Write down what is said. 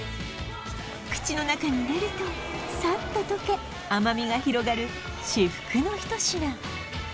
口の中に入れるとサッと溶け甘みが広がる至福の一品